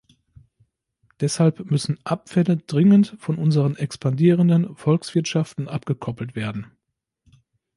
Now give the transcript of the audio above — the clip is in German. Deshalb müssen Abfälle dringend von unseren expandierenden Volkswirtschaften abgekoppelt werden.